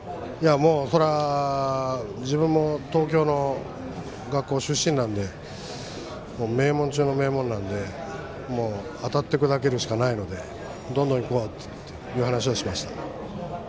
それは自分も東京の学校出身なので名門中の名門なので当たって砕けるしかないのでどんどんいこうという話しました。